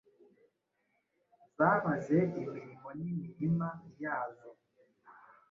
Zabaze imirimo n'imirima, yazo